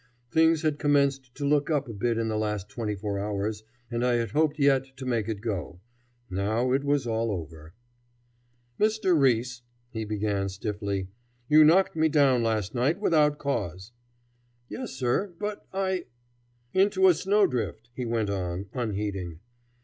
Things had commenced to look up a bit in the last twenty four hours, and I had hoped yet to make it go. Now, it was all over. "Mr. Riis," he began stiffly, "you knocked me down last night without cause." "Yes, sir! But I "[ Illustration: Mulberry Street.] "Into a snowdrift," he went on, unheeding.